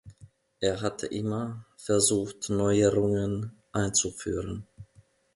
Er hatte immer versucht, Neuerungen einzuführen.